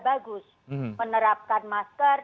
bagus menerapkan masker